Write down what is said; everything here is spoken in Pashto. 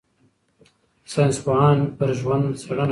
ساینسپوهان پر ژوند څېړنه کوي.